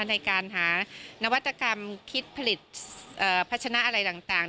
ในการหานวัตกรรมคิดผลิตพัชนะอะไรต่าง